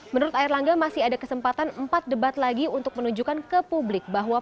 menurut air langga masih ada kesempatan empat debat lagi untuk menunjukkan ke publik bahwa